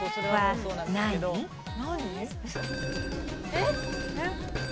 えっ？